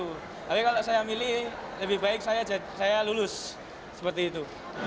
tapi kalau saya milih lebih baik saya lulus seperti itu